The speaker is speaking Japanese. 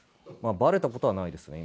バレたことはないですね